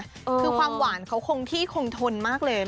คือความหวานเขาคงที่คงทนมากเลย